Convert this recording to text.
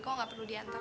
kok gak perlu diantar